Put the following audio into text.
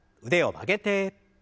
腕を曲げて。